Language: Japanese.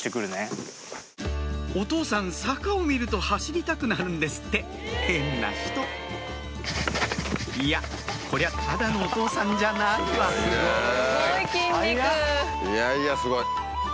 お父さん坂を見ると走りたくなるんですって変な人いやこりゃただのお父さんじゃないわいやいやすごい。